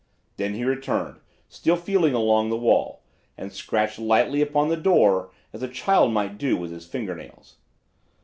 Then he returned, still feeling along the wall, and scratched lightly upon the door as a child might do with his finger nails.